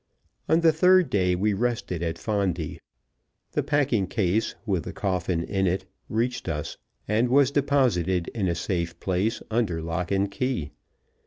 On the third day we rested at Fondi. The packing case, with the coffin in it, reached us, and was deposited in a safe place under lock and key.